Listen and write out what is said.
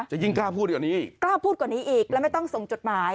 จะยิ่งกล้าพูดกว่านี้พูดกว่านี้และไม่ต้องเสริมการส่งจดหมาย